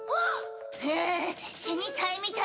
ふん死にたいみたいね！